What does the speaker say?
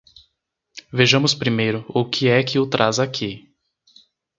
Vejamos primeiro o que é que o traz aqui.